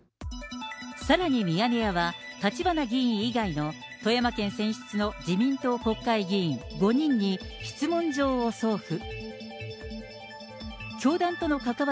さらにミヤネ屋は、たちばな議員以外の富山県選出の自民党国会議員５人に質問状を送付。